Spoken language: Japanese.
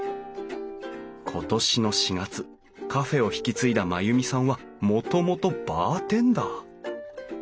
今年の４月カフェを引き継いだまゆみさんはもともとバーテンダー！